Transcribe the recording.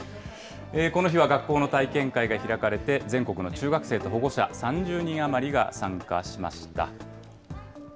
この日は学校の体験会が開かれて、全国の中学生と保護者３０人余りが参加しました。